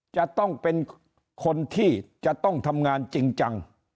จะต้องเป็นคนที่จะต้องทำงานจริงจัง